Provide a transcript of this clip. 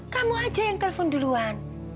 kamu aja yang telpon duluan